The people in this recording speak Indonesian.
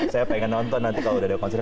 saya pengen nonton nanti kalau udah ada konser